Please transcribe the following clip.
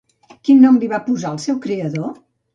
Quin nom li va posar el seu creador?